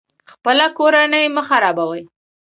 خپله کورنۍ مه خرابوئ